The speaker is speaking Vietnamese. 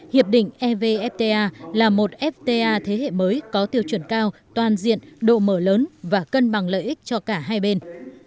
hiệp định evfta là một fta thế hệ mới có tiêu chuẩn cao toàn diện độ mở lớn và cân bằng lợi ích cho cả hai bên